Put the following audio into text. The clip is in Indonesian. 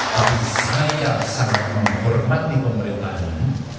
tapi saya sangat menghormati pemerintah ini